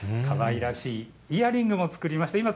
かわいらしいイヤリングも作りました、